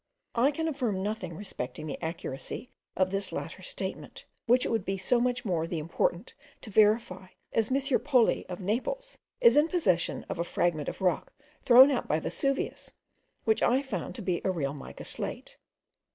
I can affirm nothing respecting the accuracy of this latter statement, which it would be so much the more important to verify, as M. Poli, of Naples, is in possession of a fragment of rock thrown out by Vesuvius,* which I found to be a real mica slate.